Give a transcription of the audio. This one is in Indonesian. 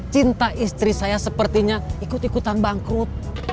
cinta istri saya sepertinya ikut ikutan bangkrut